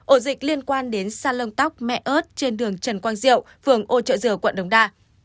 ổ dịch liên quan đến sa lông tóc mẹ ơt trên đường trần quang diệu phường ô chợ dừa quận đồng đa